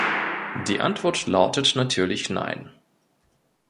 Die Antwort lautet natürlich Nein.